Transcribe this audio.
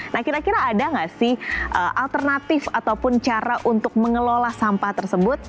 nah kira kira ada nggak sih alternatif ataupun cara untuk mengelola sampah tersebut